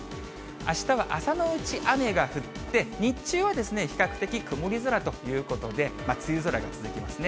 あしたは朝のうち雨が降って、日中は比較的曇り空ということで、梅雨空が続きますね。